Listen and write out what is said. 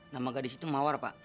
nama gadis itu mawar pak